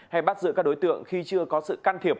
hay bắt giữ các đối tượng khi chưa có sự can thiệp